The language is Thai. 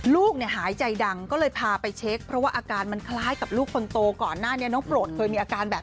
ลูกเนี่ยหายใจดังก็เลยพาไปเช็คเพราะว่าอาการมันคล้ายกับลูกคนโตก่อนหน้านี้น้องโปรดเคยมีอาการแบบ